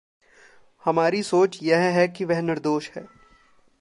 हमारी सोच यह है कि वह निर्दोष है।